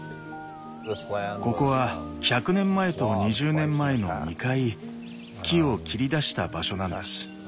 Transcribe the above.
ここは１００年前と２０年前の２回木を切り出した場所なんです。